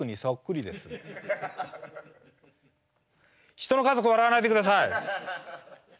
人の家族笑わないでください。